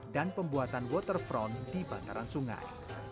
dan pembuatan waterfront di bandaran sungai